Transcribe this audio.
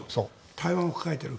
台湾を抱えている。